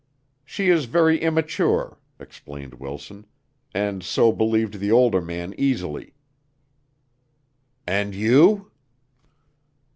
"She is very immature," explained Wilson, "and so believed the older man easily." "And you?"